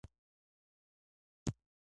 یو نظر دا دی